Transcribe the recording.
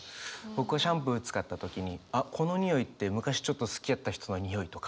僕はシャンプー使った時にあっこの匂いって昔ちょっと好きやった人の匂いとか。